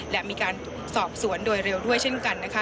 และมีการสอบสวนโดยเร็วด้วยเช่นกันนะคะ